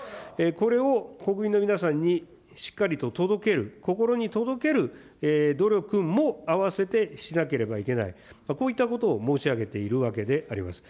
これを国民の皆さんにしっかりと届ける、心に届ける努力も併せてしなければいけない、こういったことを申し上げているわけであります。